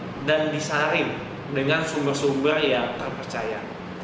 dibuat dan disarim dengan sumber sumber yang terpercaya